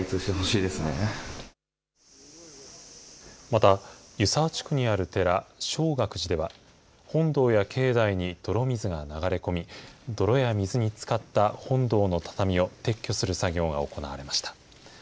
また、湯沢地区にある寺、松岳寺では、本堂や境内に泥水が流れ込み、泥や水につかった本堂の畳を撤去する作業が行われました。